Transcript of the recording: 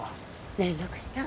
連絡した。